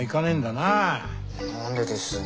なんでです？